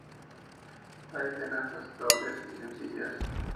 Hay tenazas "dobles" y "sencillas".